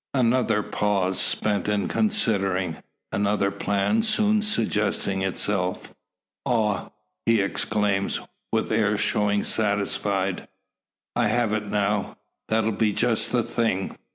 Another pause spent in considering; another plan soon suggesting itself. "Ah!" he exclaims, with air showing satisfied, "I have it now. That'll be just the thing."